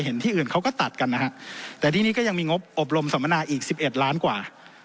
ที่อื่นเขาก็ตัดกันนะฮะแต่ที่นี่ก็ยังมีงบอบรมสัมมนาอีก๑๑ล้านกว่า